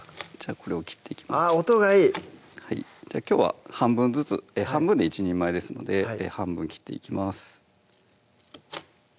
あっ音がいいきょうは半分ずつ半分で１人前ですので半分に切っていきます